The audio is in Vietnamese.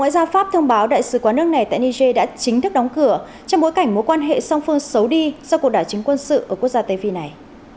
ngoại giao pháp thông báo đại sứ quán nước này tại niger đã chính thức đóng cửa trong bối cảnh mối quan hệ song phương xấu đi do cuộc đảo chính quân sự ở quốc gia tây phi này